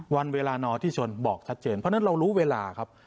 วันเวลานอที่ชนบอกชัดเจนเพราะฉะนั้นเรารู้เวลาครับ